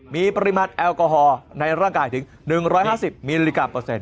มีปริมาณแอลกอฮอล์ในร่างกายถึง๑๕๐มิลลิกรัมเปอร์เซ็น